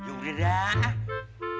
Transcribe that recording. jangan udah dah